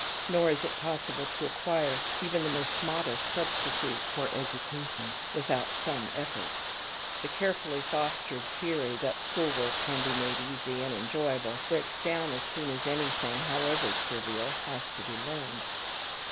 Nor is it possible to acquire even the most modest substitute for education without some effort. The carefully fostered theory that school work can be made easy and enjoyable breaks down as soon as anything, however trivial, has to be learned.